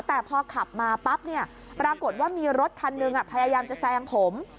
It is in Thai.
แต่พอขับมาปั๊บเนี่ยปรากฏว่ามีรถคันหนึ่งพยายามจะแซงผม